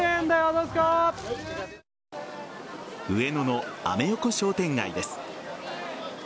上野のアメ横商店街です。